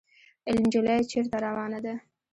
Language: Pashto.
انجلۍ چېرته روانه ده ؟